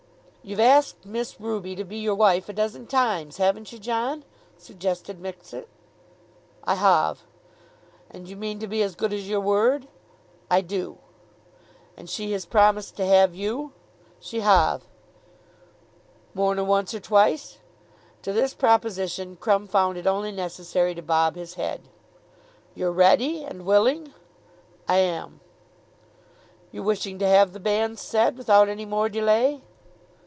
"You've asked Miss Ruby to be your wife a dozen times; haven't you, John?" suggested Mixet. "I hove." "And you mean to be as good as your word?" "I do." "And she has promised to have you?" "She hove." "More nor once or twice?" To this proposition Crumb found it only necessary to bob his head. "You're ready, and willing?" "I om." "You're wishing to have the banns said without any more delay?"